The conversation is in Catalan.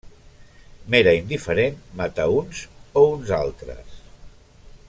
M'era indiferent matar uns o uns altres.